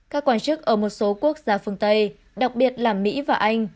các quan chức ở một số quốc gia phương tây đặc biệt là mỹ và anh